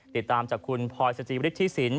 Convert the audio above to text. ติดตามจากคุณพศจิวฤทธิศิลป์